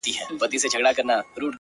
چي ستا له سونډو نه خندا وړي څوك ـ